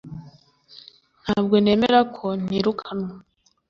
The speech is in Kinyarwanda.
Ntabwo nemera ko ntirukanwa